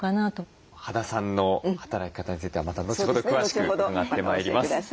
羽田さんの働き方についてはまた後ほど詳しく伺ってまいります。